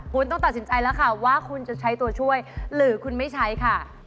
คุณต้องตัดสินใจแล้วค่ะว่าคุณจะใช้ตัวช่วยหรือคุณไม่ใช้ค่ะ